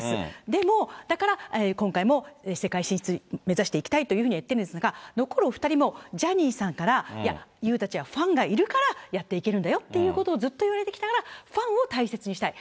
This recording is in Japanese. でも、だから今回も世界進出を目指していきたいというふうには言っているんですが、残るお２人も、ジャニーさんから、いや、ＹＯＵたちはファンがいるから、やっていけるんだよっていうことを、ずっと言われてきたから、ファンを大切にしたい。